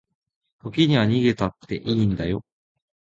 時には逃げたっていいんだよ